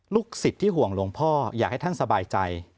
สิทธิ์ที่ห่วงหลวงพ่ออยากให้ท่านสบายใจ